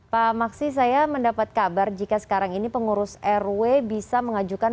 pak maksi saya mendapat kabar jika sekarang ini pengurus rw bisa mengajukan